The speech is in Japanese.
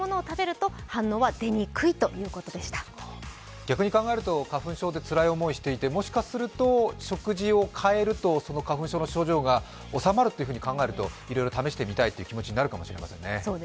逆に考えると花粉症でつらい思いをしていてもしかすると食事を変えるとその花粉症の症状が収まると考えると、いろいろ試してみたいという気持ちになるかもしれないですね。